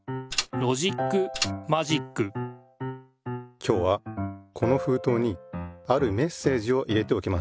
今日はこのふうとうにあるメッセージを入れておきました。